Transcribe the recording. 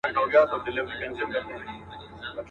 چي نوبت د عزت راغی په ژړا سو.